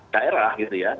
daerah gitu ya